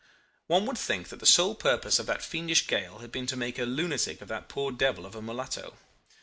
"One would think that the sole purpose of that fiendish gale had been to make a lunatic of that poor devil of a mulatto.